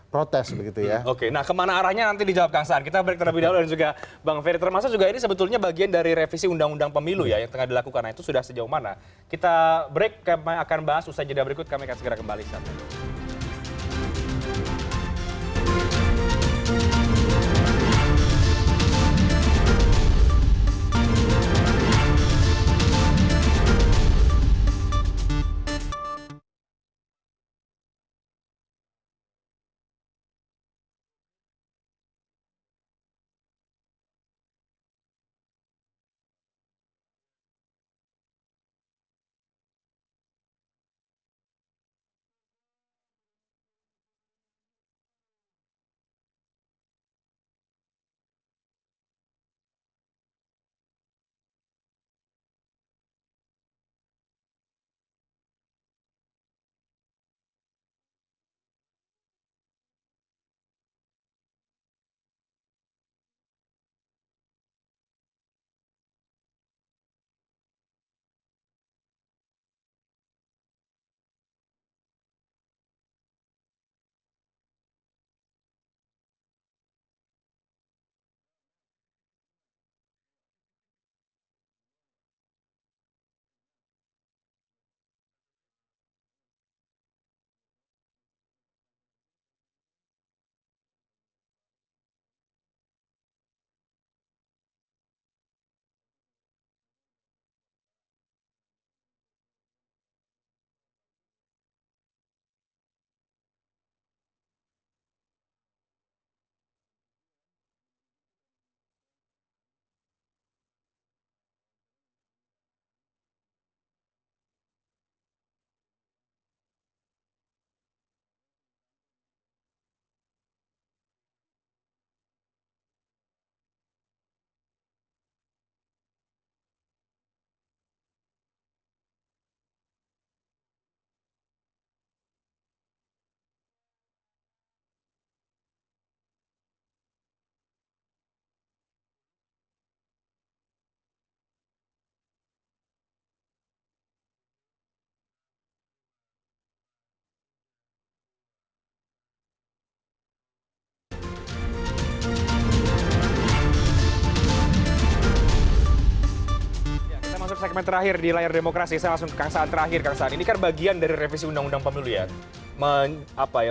protes begitu ya oke nah kemana arahnya